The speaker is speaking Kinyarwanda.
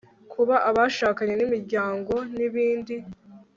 kuba abashakanye nimiryango nibindi